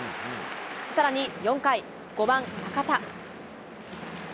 さらに４回、５番中田。